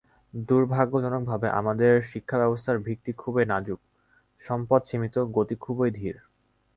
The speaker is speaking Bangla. দুর্ভাগ্যজনকভাবে আমাদের শিক্ষাব্যবস্থার ভিত্তি খুবই নাজুক, সম্পদ সীমিত এবং গতি খুবই ধীর।